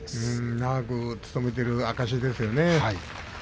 長く務めている証しですよね。